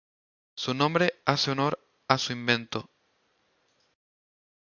Su nombre hace honor a su inventor Vincent Hugo Bendix.